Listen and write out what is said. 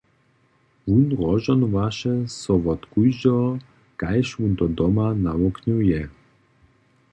Wón rozžohnowaše so wot kóždeho, kaž wón to doma nawuknył je.